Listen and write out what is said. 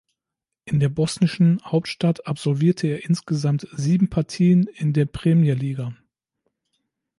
In der bosnischen Hauptstadt absolvierte er insgesamt sieben Partien in der Premijer Liga.